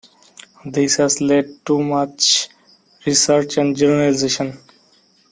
This has led to much research and generalization.